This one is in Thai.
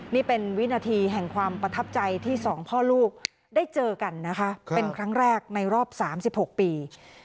นี่เป็นวินาทีแห่งความประทับใจที่สองพ่อลูกได้เจอกันนะคะเป็นครั้งแรกในรอบ๓๖ปี